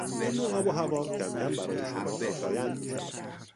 این نوع آب و هوا کمکم برای شما خوشایند میشود.